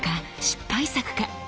失敗作か？